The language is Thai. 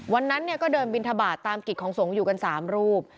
วันนั้นเนี่ยก็เดินบินทบาทตามกิจของสงฆ์อยู่กัน๓รูป